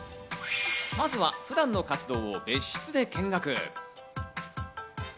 まずは普段の活動を別室で見学。